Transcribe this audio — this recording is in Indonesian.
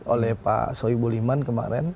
oleh pak soe boliman kemarin